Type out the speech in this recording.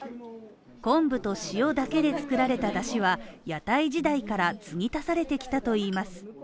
昆布と塩だけで作られたダシは屋台時代から継ぎ足されてきたといいます。